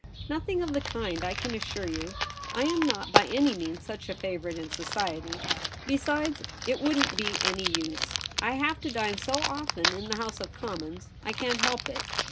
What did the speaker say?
' Nothing of the kind, I can assure you. I am not by any means such a favourite in society. Besides, it wouldn't be any use. I have to dine so often in the House of Com mons ; I can't help it.